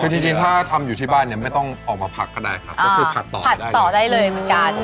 คือจริงถ้าทำอยู่ที่บ้านเนี่ยไม่ต้องออกมาผักก็ได้ครับก็คือผัดต่อผัดได้ต่อได้เลยเหมือนกัน